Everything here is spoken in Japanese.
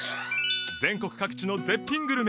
全国各地の絶品グルメや感動